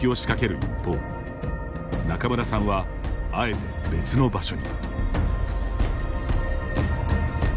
一方仲邑さんはあえて別の場所に。